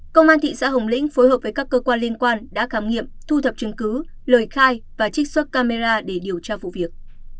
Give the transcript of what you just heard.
công an thị xã hồng lĩnh phối hợp với các cơ quan liên quan đã khám nghiệm thu thập chứng cứ lời khai và trích xuất camera để điều tra vụ việc